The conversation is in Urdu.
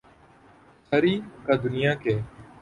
ساری کا دنیا کے